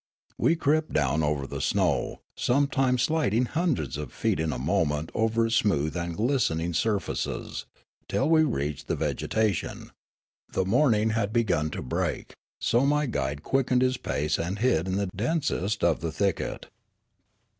We crept down over the snow, sometimes sliding hundreds of feet in a moment over its smooth and glistering surfaces, till we reached the vegetation. The morning had begun to break, so my guide quickened his pace and hid in the densest of the thicket.